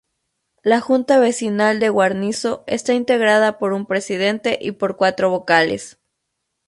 La Junta Vecinal de Guarnizo está integrada por un Presidente y por cuatro Vocales.